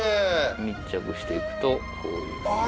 密着していくとこういうふうに。